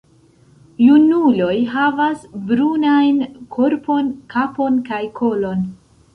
Junuloj havas brunajn korpon, kapon kaj kolon.